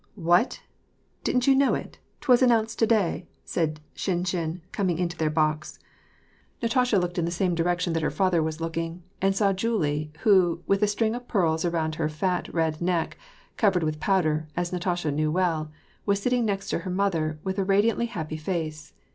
"What! didn't you know it? 'Twas announced to^y," said Shinshin, coming into their box. Natasha looked in the same direction that her father • Bdtyu9hki, — Mtendly, " little faUiei»,*» WAR AND PEACE. $89 looking, and saw Jolie, who, with a string of pearls around her fat red neck, — covered with powder, as Natasha knew well, — was sitting next her mother with a radiantly happy face.